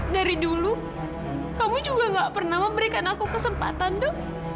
dari dulu kamu juga gak pernah memberikan aku kesempatan dok